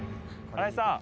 荒井さん。